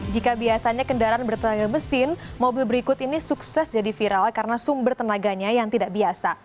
jika biasanya kendaraan bertenaga mesin mobil berikut ini sukses jadi viral karena sumber tenaganya yang tidak biasa